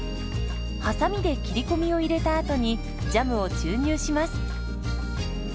はさみで切り込みを入れたあとにジャムを注入します。